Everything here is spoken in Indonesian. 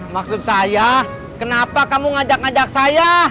maksud saya kenapa kamu ngajak ngajak saya